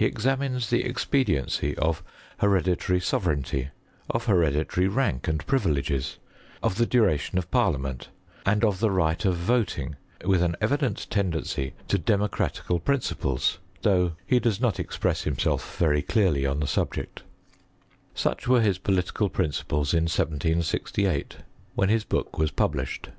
Ho examines the expediency of hereditary sovereignty, of hereditary rank and privileges, of the duration of parliament, and of the right of voting, with an evident tendency to democratical principles, thoagh faedoes not express himself very el early onthe subject Such were his political principles in 1768, when his book was published.